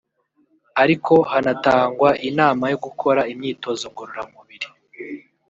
Ariko hanatangwa inama yo gukora imyitozo ngororamubiri